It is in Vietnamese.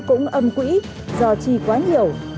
cũng âm quỹ do chi quá nhiều